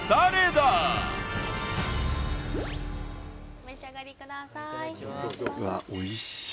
お召し上がりください